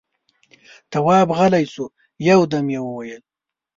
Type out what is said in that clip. تواب غلی شو، يودم يې وويل: